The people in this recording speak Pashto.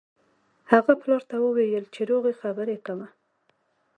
هغه خپل پلار ته وویل چې روغې خبرې کوه